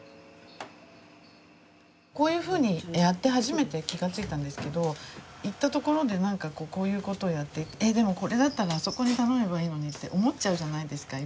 こういうふうにやって初めて気が付いたんですけど行った所でなんかこうこういうことをやってて「えっでもこれだったらあそこに頼めばいいのに」って思っちゃうじゃないですかいろいろ。